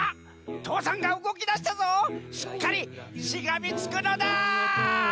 父山がうごきだしたぞしっかりしがみつくのだ！